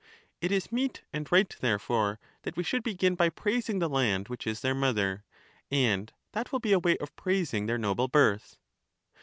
It is meet and right, therefore, that we should begin by praising the land which is their mother, and that will be a way of praising their noble birth.